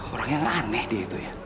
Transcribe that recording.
orang yang aneh dia itu ya